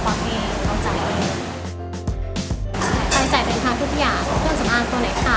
เพื่อนสำอางตัวไหนต่อ